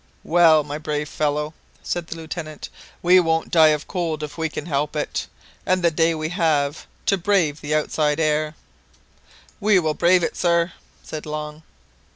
"Well, my brave fellow," said the Lieutenant, "we won't die of cold if we can help it, and the day we have to brave the outside air " "We will brave it, sir," said Long.